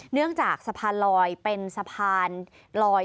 เนื่องจากสะพานลอยเป็นสะพานลอย